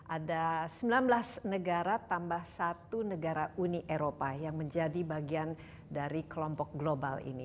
ada sembilan belas negara tambah satu negara uni eropa yang menjadi bagian dari kelompok global ini